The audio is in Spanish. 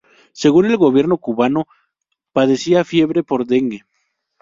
Según el gobierno cubano, padecía fiebre por dengue.